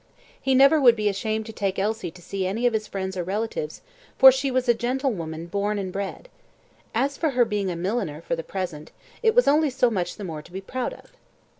He never would be ashamed to take Elsie to see any of his friends or relatives, for she was a gentlewoman born and bred. As for her being a milliner for the present, it was only so much the more to be proud of.